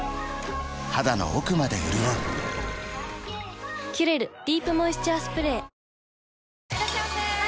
肌の奥まで潤う「キュレルディープモイスチャースプレー」いらっしゃいませ！